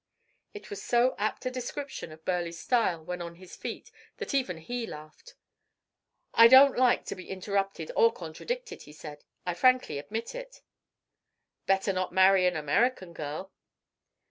It was so apt a description of Burleigh's style when on his feet that even he laughed. "I don't like to be interrupted or contradicted," he said, "I frankly admit it." "Better not marry an American girl."